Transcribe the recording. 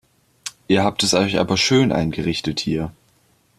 Ihr habt es euch aber schön eingerichtet hier!